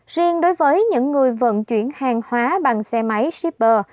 riêng đối với những người vận chuyển hàng hóa bằng xe máy shipper